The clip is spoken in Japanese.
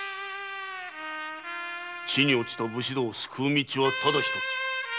地に堕ちた武士道を救う道はただ一つ。